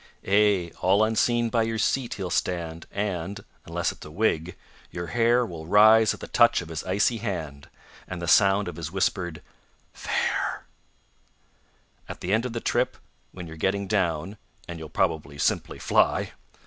Ay, all unseen by your seat he'll stand, And (unless it's a wig) your hair Will rise at the touch of his icy hand, And the sound of his whispered "Fare!" At the end of the trip, when you're getting down (And you'll probably simply fly!)